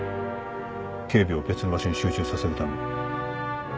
警備を別の場所に集中させるために。